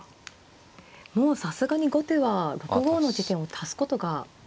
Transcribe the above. もうさすがに後手は６五の地点を足すことが。